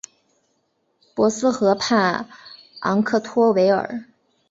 博斯河畔昂克托维尔。